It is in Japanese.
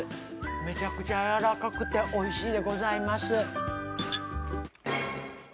めちゃくちゃやわらかくておいしいでございます